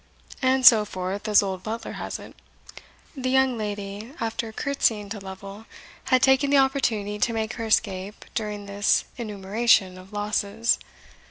And so forth, as old Butler has it." The young lady, after courtesying to Lovel, had taken the opportunity to make her escape during this enumeration of losses.